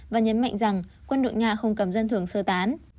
và nhấn mạnh rằng quân đội nga không cấm dân thường sơ tán